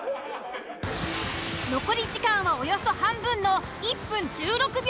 残り時間はおよそ半分の１分１６秒。